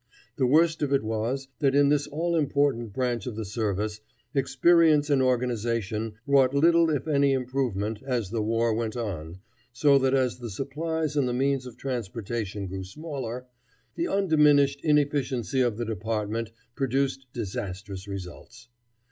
The worst of it was, that in this all important branch of the service experience and organization wrought little if any improvement as the war went on, so that as the supplies and the means of transportation grew smaller, the undiminished inefficiency of the department produced disastrous results.